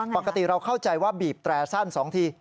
ปกติเราเข้าใจว่าบีบแตร่สั้น๒ที